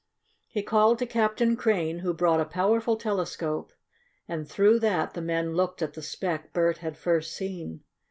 He called to Captain Crane, who brought a powerful telescope, and through that the men looked at the speck Bert had first seen.